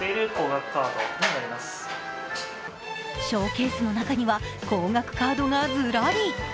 ショーケースの中には高額カードがずらり。